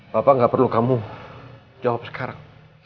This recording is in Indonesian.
papa gak perlu kamu jawab sekarang